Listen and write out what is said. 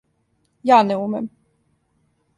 Ја не умем?